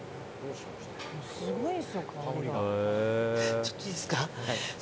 ちょっといいですか。